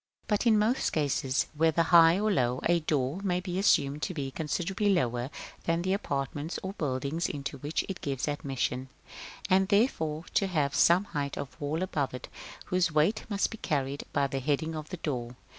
But in most cases, whether high or low, a door may be assumed to be considerably lower than the apartments or buildings into which it gives admission, and therefore to have some height of wall above it, whose weight must be carried by the heading of the door.